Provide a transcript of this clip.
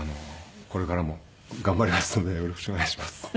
これからも頑張りますのでよろしくお願いします。